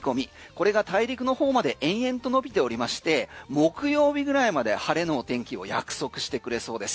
これが大陸のほうまで延々と延びておりまして木曜日ぐらいまで晴れの天気を約束してくれそうです。